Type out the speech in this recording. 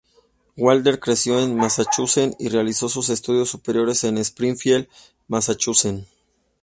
Waddell creció en Massachusetts y realizando sus estudios superiores en Springfield, Massachusetts.